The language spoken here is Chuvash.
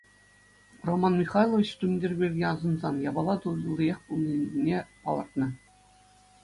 Роман Михайлович тумтир пирки асӑнсан япала туллиех пулнине палӑртнӑ.